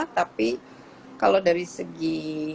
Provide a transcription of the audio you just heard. tapi kalau dari segi